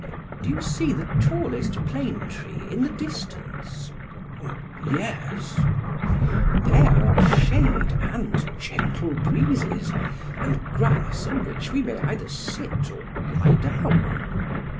PHAEDRUS: Do you see the tallest plane tree in the distance? SOCRATES: Yes. PHAEDRUS: There are shade and gentle breezes, and grass on which we may either sit or lie down.